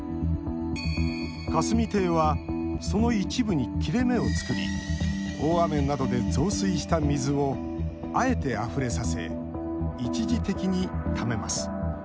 霞堤は、その一部に切れ目を作り大雨などで増水した水をあえて、あふれさせ一時的にためます。